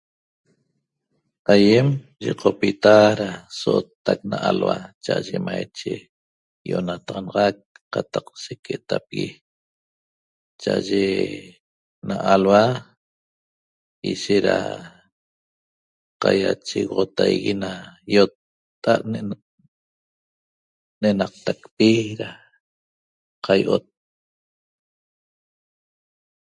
Aiem yocopita daso taq na alhua chaye maiche yionataxanaq qataq sequetapi chaaye na alua' ishera caiachexotahie ena iottaa na nenaqtaqpi da cayiot